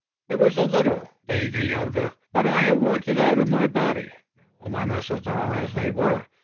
"There was a little, Dagaeoga, but I have worked it out of my body. Now all my muscles are as they were.